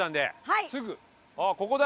ここだ！